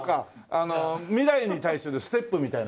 あの未来に対するステップみたいなもんだね。